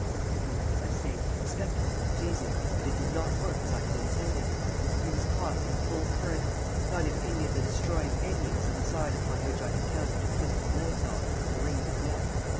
Well, as I say, the spectacle was pleasing, but it did not work as I had intended. He was caught in the full current, not in any of the destroying eddyings of the side upon which I had counted to twist his legs off and wring his neck.